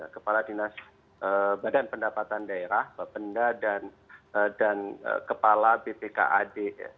kepala dinas badan pendapatan daerah bapenda dan kepala bpkad